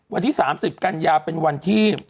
วันที่๓๐กันยาเป็นวันที่